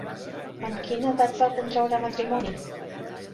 Amb quina edat va contraure matrimoni?